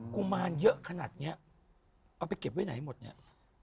กุมารเยอะขนาดเนี้ยเอาไปเก็บไว้ไหนหมดเนี่ย